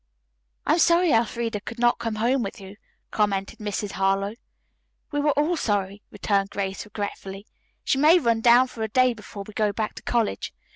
"I am sorry Elfreda could not come home with you," commented Mrs. Harlowe. "We were all sorry," returned Grace regretfully. "She may run down for a day before we go back to college.